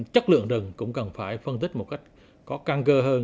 chất lượng rừng cũng cần phải phân tích một cách có căng cơ hơn